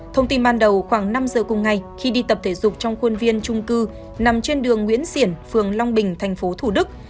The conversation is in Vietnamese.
thông tin ban đầu khoảng năm giờ cùng ngày khi đi tập thể dục trong khuôn viên trung cư nằm trên đường nguyễn xiển phường long bình tp thủ đức